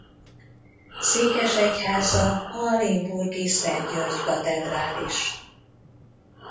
Székesegyháza a limburgi Szent György-katedrális.